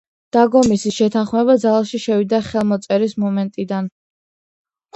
დაგომისის შეთანხმება ძალაში შევიდა ხელმოწერის მომენტიდან.